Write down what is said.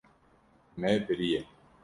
Me biriye.